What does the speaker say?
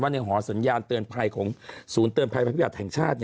ในหอสัญญาณเตือนภัยของศูนย์เตือนภัยภัยพิบัติแห่งชาติ